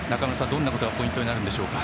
どんなことがポイントになるんでしょうか？